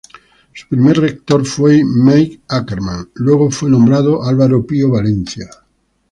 Su primer rector fue May Ackerman, luego fue nombrado Alvaro Pío Valencia.